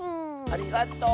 ありがとう。